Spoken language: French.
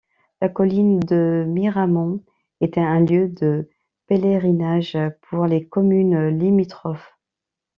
La colline de Miramont était un lieu de pèlerinage pour les communes limitrophes.